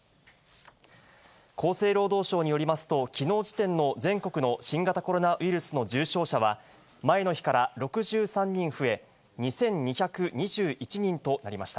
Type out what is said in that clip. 厚生労働省によりますと、きのう時点の全国の新型コロナウイルスの重症者は、前の日から６３人増え、２２２１人となりました。